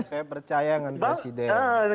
saya percaya dengan presiden